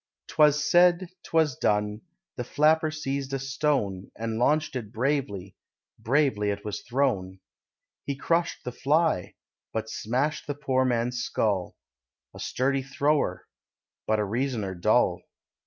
'Twas said, 'twas done; the flapper seized a stone, And launched it bravely bravely it was thrown. He crushed the fly, but smashed the poor man's skull A sturdy thrower, but a reasoner dull.